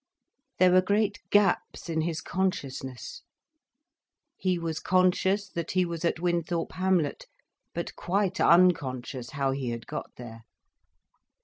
There were great gaps in his consciousness. He was conscious that he was at Winthorpe hamlet, but quite unconscious how he had got there.